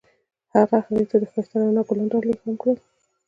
هغه هغې ته د ښایسته رڼا ګلان ډالۍ هم کړل.